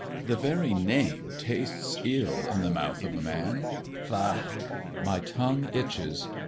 The very name tastes ill in the mouth of a man : faugh ! my tongue itches.